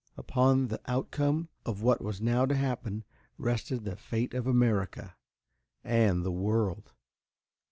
Upon the outcome of what was now to happen rested the fate of America and the world.